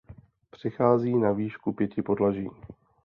Přechází na výšku pěti podlaží.